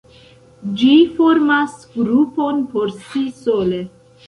Ĝi formas grupon por si sole.